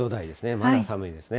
まだ寒いですね。